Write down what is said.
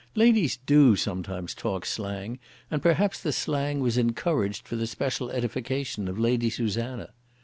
Ladies do sometimes talk slang, and perhaps the slang was encouraged for the special edification of Lady Susanna.